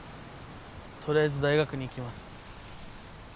とりあえず大学に行きます。